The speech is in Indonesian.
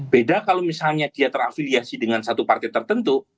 beda kalau misalnya dia terafiliasi dengan satu partai tertentu